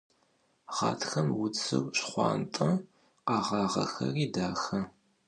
Ğatxem vutsır şşxhuant'e, kheğağexeri daxe.